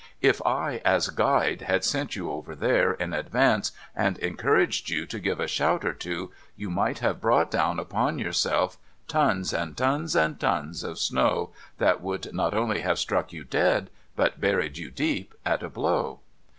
' If I, as Guide, had sent you over there, in advance, and en couraged you to give a shout or two, you might have brought down upon yourself tons and tons and tons of snow, that would not only have struck you dead, but buried you deep, at a blow.'